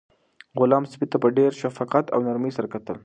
غلام سپي ته په ډېر شفقت او نرمۍ سره کتل.